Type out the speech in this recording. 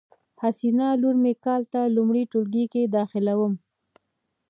حسینه لور می کال ته لمړی ټولګي کی داخلیدوم